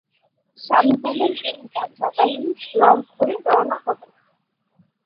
স্বামী বললেন, তিনি কাল সকালেই রংপুরে রওনা হবেন।